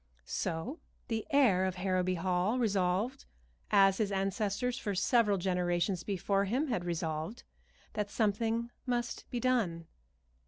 So the heir of Harrowby Hall resolved, as his ancestors for several generations before him had resolved, that something must be done.